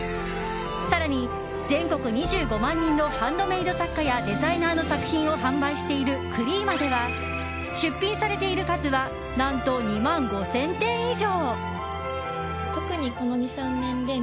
更に、全国２５万人のハンドメイド作家やデザイナーの作品を販売しているＣｒｅｅｍａでは出品されている数は何と２万５０００点以上。